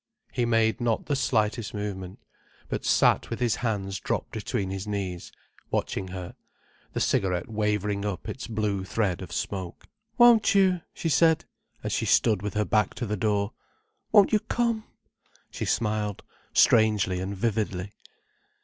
He made not the slightest movement, but sat with his hands dropped between his knees, watching her, the cigarette wavering up its blue thread of smoke. "Won't you?" she said, as she stood with her back to the door. "Won't you come?" She smiled strangely and vividly.